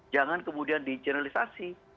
jangan kemudian dijurnalisasi